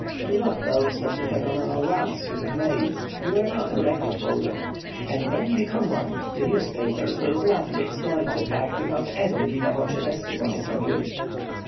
Do not boast of the phenomenal runs you have made. You are not a record holder. And when you become one, the newspapers will gladly exploit the fact without any viva voce testimony from you.